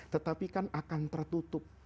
tetapi kan akan tertutup